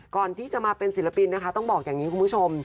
ก่อนที่จะมาเป็นศิลปินนะคะต้องบอกอย่างนี้คุณผู้ชม